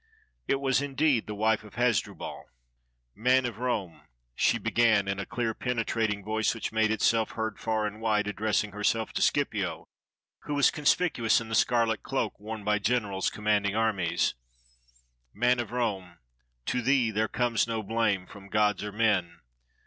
It was indeed the wife of Hasdrubal. "Man of Rome," she began in a clear, penetrating voice, which made itself heard far and wide, addressing herself to Scipio, who was conspicuous in the scarlet 296 THE FALL OF CARTHAGE cloak worn by generals commanding armies, "man of Rome, to thee there comes no blame from gods or men.